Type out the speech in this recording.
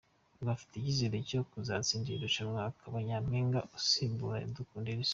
Ngo afite icyezere ko azatsinda iri rushanwa akaba Nyampinga usimbura Iradukunda Elsa.